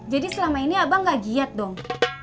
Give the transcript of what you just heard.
jadi selama ini abang gak giat dong